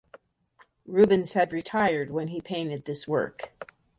Rubens had retired when he painted this work.